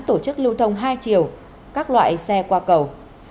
tổ chức lưu thông hai chiều các loại xe qua cầu